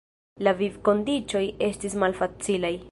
La vivkondiĉoj estis malfacilaj.